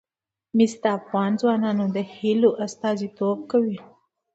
مس د افغان ځوانانو د هیلو استازیتوب کوي.